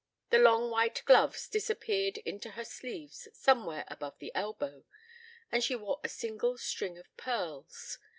The long white gloves disappeared into her sleeves somewhere above the elbow and she wore a single string of pearls.